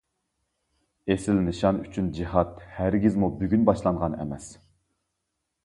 ئېسىل نىشان ئۈچۈن جىھاد ھەرگىزمۇ بۈگۈن باشلانغان ئەمەس.